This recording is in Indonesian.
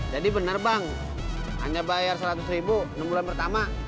jadi bener bang hanya bayar seratus ribu enam bulan pertama